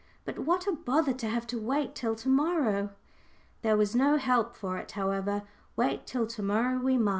But what a bother to have to wait till to morrow!" There was no help for it, however. Wait till to morrow we must.